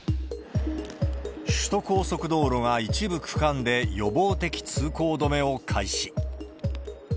首都高速道路が一部区間で予防的通行止めを開始。